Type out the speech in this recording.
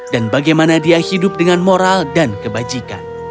dan bagaimana dia hidup dengan moral dan kebajikan